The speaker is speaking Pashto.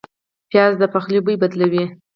پیاز د پخلي بوی بدلوي